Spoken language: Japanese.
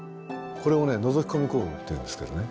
これをのぞき込み行動っていうんですけどね。